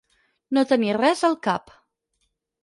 No tenir res al cap.